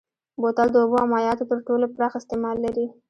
بوتل د اوبو او مایعاتو تر ټولو پراخ استعمال لري.